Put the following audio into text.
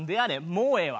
もうええわ。